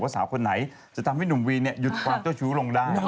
หรือว่าสาวคนไหนจะทำให้หนุ่มวีรภาพยุดรับเจ้าชู้ลงดาย